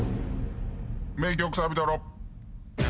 名曲サビトロ。